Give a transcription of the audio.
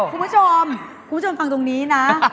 คุณผู้ชมคุณผู้ชมฟังตรงนี้นะ